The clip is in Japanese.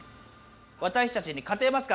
わたしたちに勝てますか？